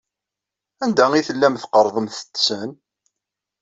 Anda ay tellamt tqerrḍemt-ten?